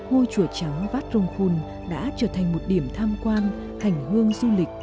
ngôi chùa trắng vát rồng khun đã trở thành một điểm tham quan hành hương du lịch